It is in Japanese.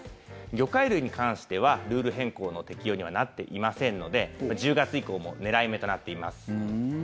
魚介類に関してはルール変更の適用にはなっていませんので１０月以降も狙い目となっています。